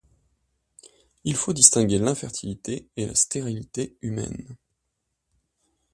Il faut distinguer l'infertilité et la stérilité humaines.